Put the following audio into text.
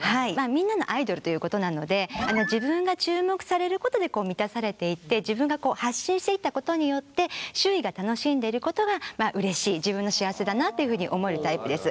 みんなのアイドルということなので自分が注目されることで満たされていって自分が発信していったことによって周囲が楽しんでいることがうれしい自分の幸せだなというふうに思えるタイプです。